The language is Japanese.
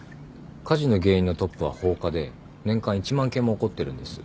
火事の原因のトップは放火で年間１万件も起こってるんです。